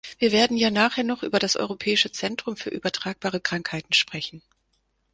Wir werden ja nachher noch über das Europäische Zentrum für übertragbare Krankheiten sprechen.